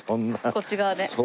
こっち側で。